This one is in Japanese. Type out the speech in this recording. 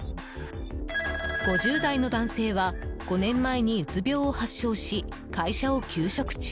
５０代の男性は５年前にうつ病を発症し会社を休職中。